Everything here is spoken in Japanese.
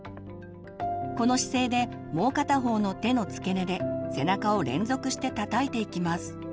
この姿勢でもう片方の手の付け根で背中を連続してたたいていきます。